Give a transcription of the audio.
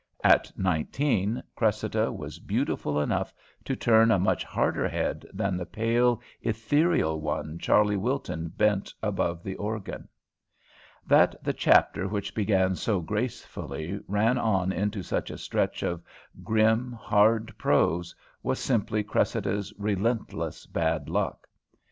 At nineteen Cressida was beautiful enough to turn a much harder head than the pale, ethereal one Charley Wilton bent above the organ. That the chapter which began so gracefully ran on into such a stretch of grim, hard prose, was simply Cressida's relentless bad luck.